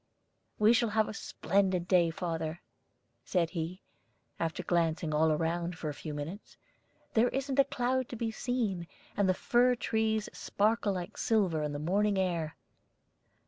"We shall have a splendid day, father," said he, after glancing all around for a few minutes. "There isn't a cloud to be seen, and the fir trees sparkle like silver in the morning air."